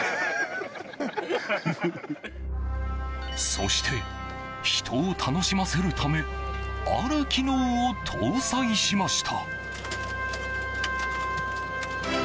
そして、人を楽しませるためある機能を搭載しました。